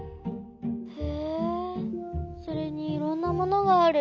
へえそれにいろんなものがある。